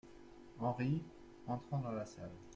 HENRI, entrant dans la salle.